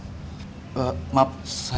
aku mau ke rumah